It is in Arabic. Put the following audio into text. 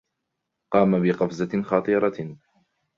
قام بقفزة خطيرة.